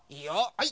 はい。